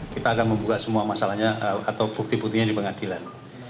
kita akan membuka semua masalahnya atau bukti buktinya di pengadilan